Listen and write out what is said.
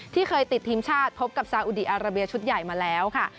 ที่เคยติดทีมชาติพบกับซาอุดีอาราเบียชุดใหญ่มาแล้วค่ะ